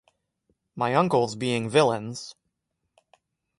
My uncles being villains.